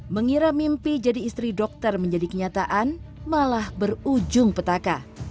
mengira mimpi jadi istri dokter menjadi kenyataan malah berujung petaka